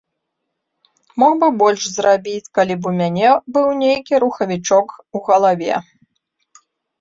Мог бы больш зрабіць, калі б у мяне быў нейкі рухавічок у галаве.